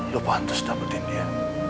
lo pantas dapetin dia